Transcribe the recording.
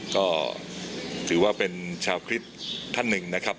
ก็ถือว่าเป็นชาวคริสต์ท่านหนึ่งนะครับ